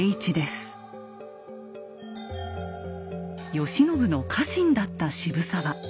慶喜の家臣だった渋沢。